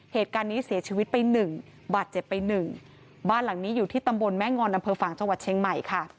เหตุการณ์นี้เสียชีวิตไป๑บาดเจ็บไป๑บ้านหลังนี้อยู่ที่ตำบลแม่งอนดฟางชเชียงใหม่ค่ะ